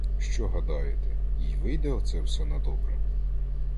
Що гадаєте, — їй вийде оце все на добре?